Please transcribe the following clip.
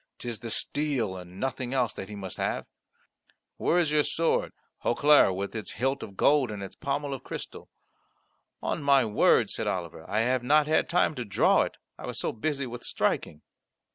'Tis the steel and nothing else that he must have. Where is your sword Hautclere, with its hilt of gold and its pommel of crystal?" "On my word," said Oliver, "I have not had time to draw it; I was so busy with striking."